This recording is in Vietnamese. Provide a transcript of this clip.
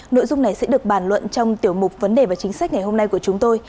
nội dung này sẽ được bàn luận trong tiểu mục vấn đề và chính sách ngày hôm nay của chúng tôi